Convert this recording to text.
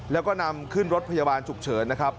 แล้วก็นำขึ้นรถพยาบาลฉุกเฉินนะครับ